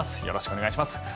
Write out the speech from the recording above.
よろしくお願いします。